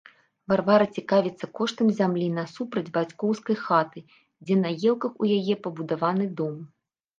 Варвара цікавіцца коштам зямлі насупраць бацькоўскай хаты, дзе на елках у яе пабудаваны дом.